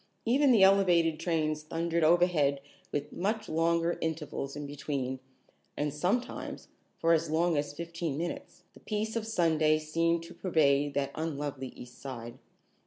Even the elevated trains thundered overhead with much longer intervals in between, and sometimes, for as long as fifteen minutes, the peace of Sunday seemed to pervade that unlovely East Side.